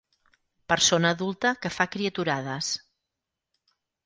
Persona adulta que fa criaturades.